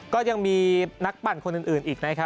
ก็ยังมีนักปั่นคนอื่นอีก